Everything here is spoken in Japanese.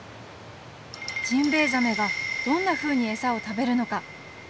ジンベエザメがどんなふうに餌を食べるのか。